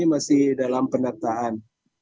ini masih dalam pendataan